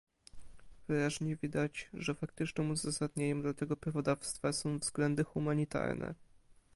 Wyraźnie widać, że faktycznym uzasadnieniem dla tego prawodawstwa są względy humanitarne